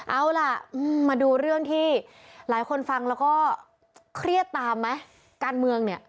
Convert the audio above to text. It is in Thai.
เอาล่ะมาดูเรื่องที่หลายคนฟังแล้วก็เครียดตามไหมการเมืองเนี่ย